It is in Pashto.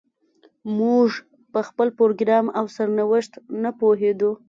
موږ په خپل پروګرام او سرنوشت نه پوهېدو.